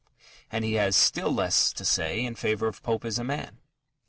And he has still less to say in favour of Pope as a man.